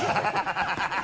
ハハハ